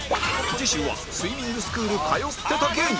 次週はスイミングスクール通ってた芸人